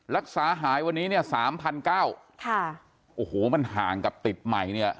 รักษาหายวันนี้เนี่ยสามพันเก้าค่ะโอ้โหมันห่างกับติดใหม่เนี่ย